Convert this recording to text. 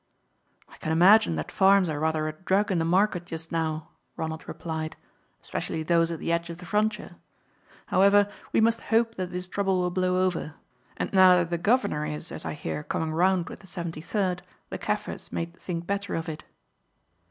"I can imagine that farms are rather a drug in the market just now," Ronald replied, "especially those at the edge of the frontier. However, we must hope that this trouble will blow over, and now that the Governor is, as I hear, coming round with the 73rd, the Kaffirs may think better of it."